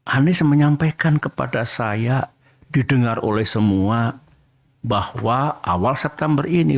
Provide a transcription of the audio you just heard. anies menyampaikan kepada saya didengar oleh semua bahwa awal september ini